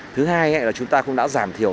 thứ hai là chúng ta cũng đã giảm thiểu